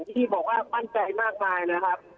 ที่บอกว่ามั่นใจมากมายนะครับ